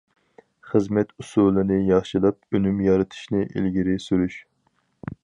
خىزمەت ئۇسۇلىنى ياخشىلاپ، ئۈنۈم يارىتىشنى ئىلگىرى سۈرۈش.